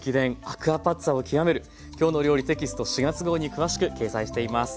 アクアパッツァを極める」「きょうの料理」テキスト４月号に詳しく掲載しています。